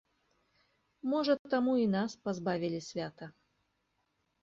Можа, таму і нас пазбавілі свята?